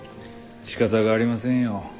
しかたがありませんよ。